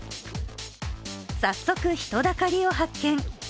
早速人だかりを発見。